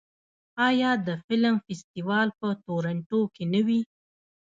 آیا د فلم فستیوال په تورنټو کې نه وي؟